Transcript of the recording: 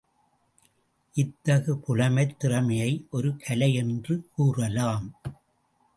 இத்தகு புலமைத் திறமையை ஒரு கலை என்று கூறலாம்.